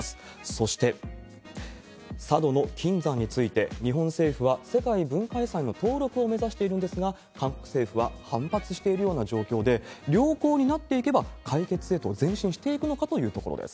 そして、佐渡島の金山について、日本政府は世界文化遺産の登録を目指しているんですが、韓国政府は反発しているような状況で、良好になっていけば、解決へと前進していくのかというところです。